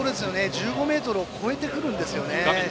１５ｍを超えてくるんですよね。